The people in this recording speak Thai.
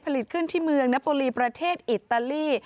ขึ้นที่เมืองนโปรลีประเทศอิตาลี